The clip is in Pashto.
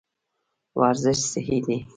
ورزش صحي دی.